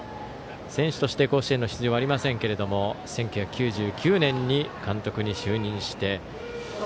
選手として甲子園の出場はありませんけども１９９９年に監督に就任して。